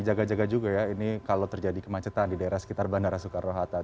jaga jaga juga ya ini kalau terjadi kemacetan di daerah sekitar bandara soekarno hatta